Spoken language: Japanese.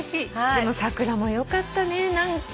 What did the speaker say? でも桜もよかったね何か。